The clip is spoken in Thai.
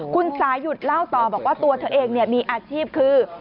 คุณสายุทธ์เล่าต่อบอกว่าตัวเธอเองมีอาชีพคือ